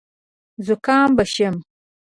زکام به شم .